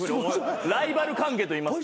ライバル関係といいますか。